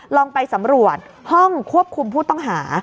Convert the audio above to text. ลองไปสำรวจห้องควบคุมผู้ต้องหา